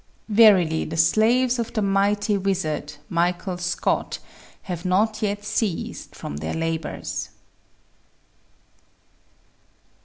Verily the slaves of the mighty wizard, Michael Scott, have not yet ceased from their labors